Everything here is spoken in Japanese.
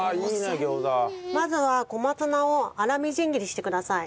まずは小松菜を粗みじん切りしてください。